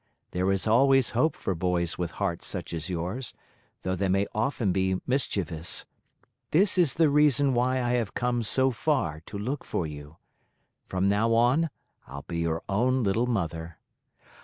There is always hope for boys with hearts such as yours, though they may often be very mischievous. This is the reason why I have come so far to look for you. From now on, I'll be your own little mother."